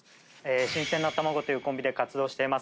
新鮮なたまごというコンビで活動しています。